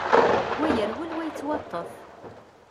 Wa yerwel, wa yettwaṭṭef.